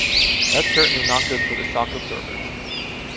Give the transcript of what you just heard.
That's certainly not good for the shock absorbers.